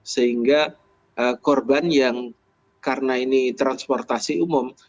sehingga korban yang karena ini transportasi umum